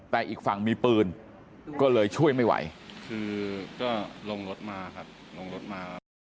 แต่อีกฝั่งมีปืนก็เลยช่วยไม่ไหวคือก็ลงรถมาครับลงรถมาครับ